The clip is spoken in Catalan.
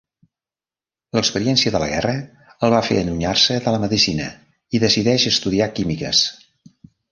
L'experiència de la guerra el var fer allunyar-se de la medicina i decideix estudiar Químiques.